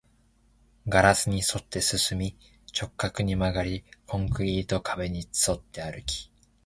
ガラスに沿って進み、直角に曲がり、コンクリート壁に沿って歩き